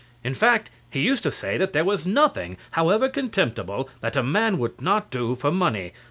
In fact, he used to say that there was nothing, however contemptible, that a man would not do for money.